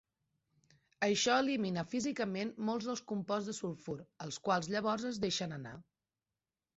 Això elimina físicament molts dels composts de sulfur, els quals llavors es deixen anar.